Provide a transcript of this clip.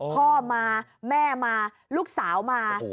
พ่อมาแม่มาลูกสาวมา